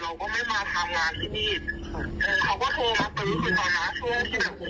เราก็รู้ว่าเรามีอะไรตลอดว่ามันได้หรอกว่าทำวุฒิตรอบมา